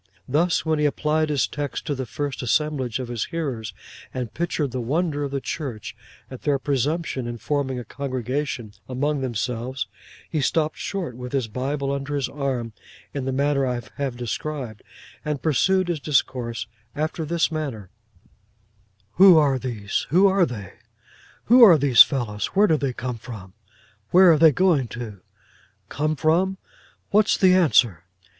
Thus, when he applied his text to the first assemblage of his hearers, and pictured the wonder of the church at their presumption in forming a congregation among themselves, he stopped short with his Bible under his arm in the manner I have described, and pursued his discourse after this manner: 'Who are these—who are they—who are these fellows? where do they come from? Where are they going to?—Come from! What's the answer?